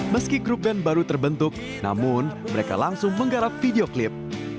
meski grup band baru terbentuk namun mereka langsung menggarap video klip